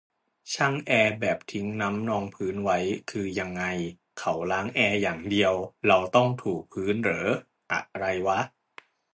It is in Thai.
ช่างแอร์แบบทิ้งน้ำนองพื้นไว้ คือยังไง เขาล้างแอร์อย่างเดียว เราต้องถูพื้นเหรอ อะไรวะ